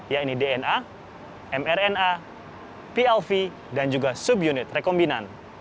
yaitu dna mrna plv dan juga subunit rekombinan